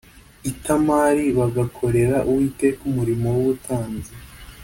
itamari bagakorera uwiteka umurimo w’ubutambyi